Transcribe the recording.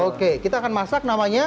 oke kita akan masak namanya